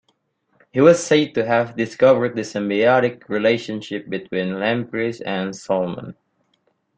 He was said to have discovered the symbiotic relationship between lampreys and salmon.